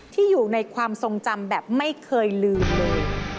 ที่อยู่ในความทรงจำแบบไม่เคยลืมเลย